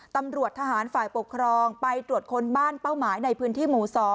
ตำรวจทหารฝ่ายปกครองไปตรวจคนบ้านเป้าหมายในพื้นที่หมู่๒